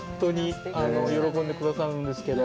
喜んでくださるんですけど。